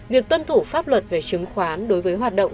việc tuân thủ pháp luật về chứng khoán